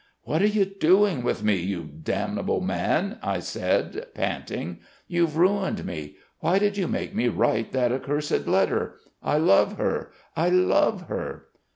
"'What are you doing with me, you damnable man?' I said panting. 'You've ruined me! Why did you make me write that cursed letter? I love her! I love her!'